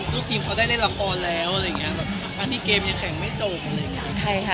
ลูกทีมเขาได้เล่นราคาแล้วอะไรอย่างเงี้ยแบบเพราะงั้นที่ยังแข่งไม่จบ